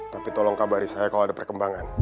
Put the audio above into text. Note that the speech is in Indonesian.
tapi tolong kabari saya kalau ada perkembangan